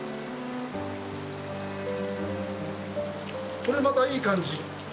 これまたいい感じ。